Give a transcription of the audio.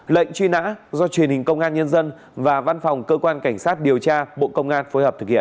lệnh truy nã do truyền hình công an nhân dân và văn phòng cơ quan cảnh sát điều tra bộ công an phối hợp thực hiện